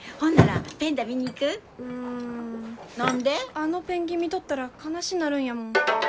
あのペンギン見とったら悲しなるんやもん。